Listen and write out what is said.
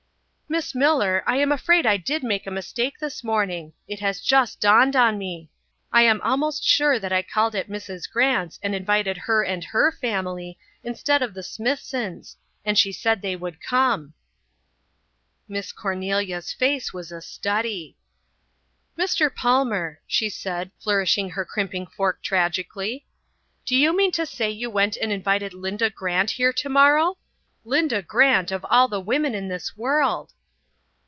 "Miss Millar, I am afraid I did make a mistake this morning it has just dawned on me. I am almost sure that I called at Mrs. Grant's and invited her and her family instead of the Smithsons. And she said they would come." Miss Cornelia's face was a study. "Mr. Palmer," she said, flourishing her crimping fork tragically, "do you mean to say you went and invited Linda Grant here tomorrow? Linda Grant, of all women in this world!"